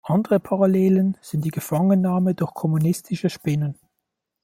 Andere Parallelen sind die Gefangennahme durch kommunistische Spinnen.